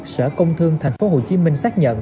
sở công thương thành phố hồ chí minh xác nhận